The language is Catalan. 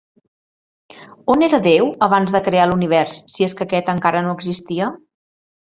On era Déu abans de crear l'univers si és que aquest encara no existia?